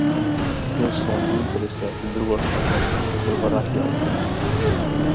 Pilsoņu interesēs ir droša enerģija, kuru var atļauties.